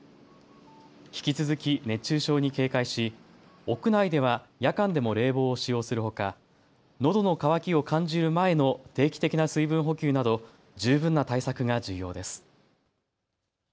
引き続き熱中症に警戒し屋内では夜間でも冷房を使用するほかのどの渇きを感じる前の定期的な水分補給など十分な対策が重要です。